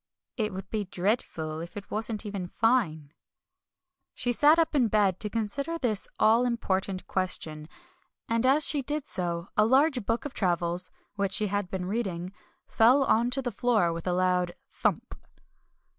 "It would be dreadful if it wasn't even fine." She sat up in bed to consider this all important question, and as she did so, a large Book of Travels which she had been reading fell on to the floor with a loud thump.